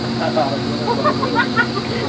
কালী নদী পশ্চিম দিকে ভারত এবং নেপালকে বিভক্ত করেছে।